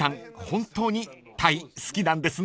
本当にタイ好きなんですね］